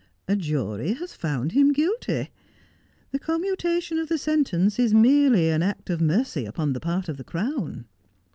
A jury has found him guilty. The commutation of the sentence is merely an act of mercy upon the part of the Crown.'